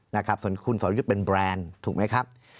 นะครับส่วนคุณสอรยุทธ์เป็นแบรนด์ถูกไหมครับ